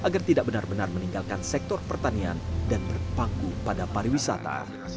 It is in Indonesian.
dan tidak benar benar meninggalkan sektor pertanian dan berpangku pada pariwisata